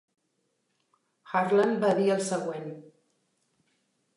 Harlan va dir el següent.